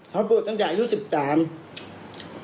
เขาปวดตั้งแต่อายุ๑๓